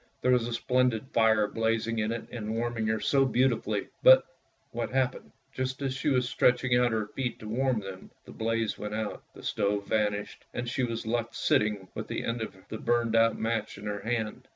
There was a splendid fire blazing in it and warming her so beautifully, but — what happened — just as she was stretching out her feet to warm them, — the blaze went out, the stove vanished, and she was left sitting with the end of the burnt out match in her hand.